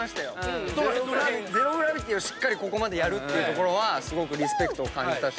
ゼログラビティをしっかりここまでやるっていうところはすごくリスペクトを感じたし。